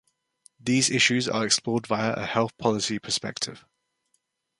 These issues are explored via a health policy perspective.